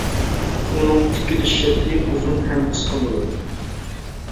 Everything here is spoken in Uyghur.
ئۇنىڭ تىكىلىش شەكلى ئۇزۇن ھەم قىسقا بولىدۇ.